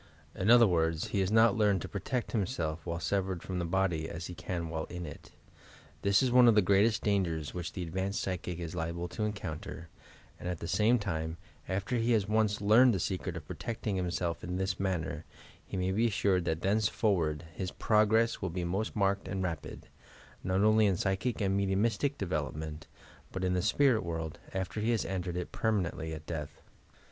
In other words, he has not learned to pro tect himself while severed from the body as he can while in it. This is one of the greatest dangers which the advanced psychic is liable to encounter, and, at the same time, after he has once learned the secret of pro tecting himself in this manner, he may be assured that thenceforward his progress will be most marked and rapid, not only in psychic and mediumistic development, but in the spirit world, after he has entered it perma nently, at death.